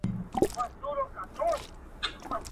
نور په دې شین سترګي کوږ مکار اعتبار مه کوه.